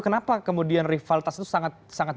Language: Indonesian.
kenapa kemudian rivalitas itu sangat